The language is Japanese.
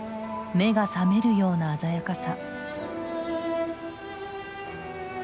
目が覚めるような鮮やかさ。